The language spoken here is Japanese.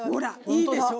いいでしょ！